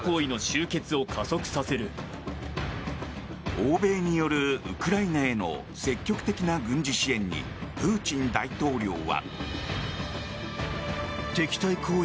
欧米によるウクライナへの積極的な軍事支援にプーチン大統領は。